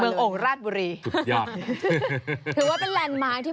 มาที่เอาของราชบุรี